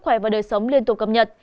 khỏe và đời sống liên tục cập nhật